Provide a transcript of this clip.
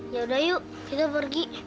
yaudah yuk kita pergi